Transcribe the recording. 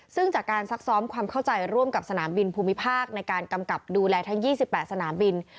ซึ่งจากการซักซ้อมความเข้าใจร่วมกับสนามบินภูมิภาคในการกำกับดูแลทั้ง๒๘สนามบิน